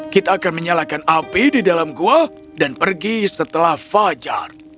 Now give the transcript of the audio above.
kita akan menyalakan api di dalam gua dan pergi setelah fajar